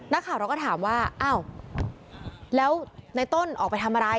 นักข่าวเราก็ถามว่าอ้าวแล้วในต้นออกไปทำอะไร